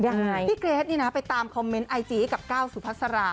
พี่เกรทไปตามคอมเม้นต์ไอจีกับก้าวสุภาษาลาค่ะ